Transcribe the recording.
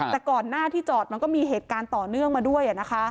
แต่ก่อนหน้าที่จอดมันก็มีเหตุการณ์ต่อเนื่องมาด้วยนะคะ